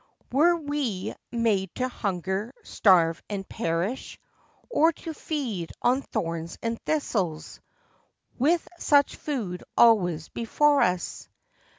Were we Made to hunger, starve, and perish, Or to feed on thorns and thistles— With such food always before us